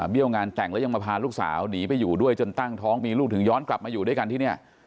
งานแต่งแล้วยังมาพาลูกสาวหนีไปอยู่ด้วยจนตั้งท้องมีลูกถึงย้อนกลับมาอยู่ด้วยกันที่เนี่ย